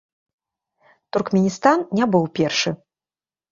Туркменістан не быў першы.